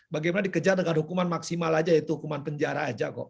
bagaimana dikejar dengan hukuman maksimal aja yaitu hukuman penjara aja kok